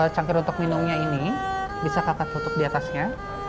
cangkir untuk minumnya ini bisa kakak tutup di atasnya